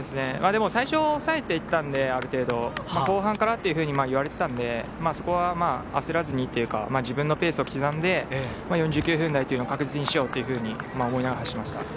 でも最初、ある程度抑えていったので後半からと言われていたのでそこは焦らずにというか自分のペースを刻んで４９分台というのを確実にしようと思いながら走っていました。